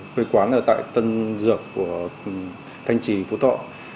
quê quán ở tại tân dược của thanh trì phú thọ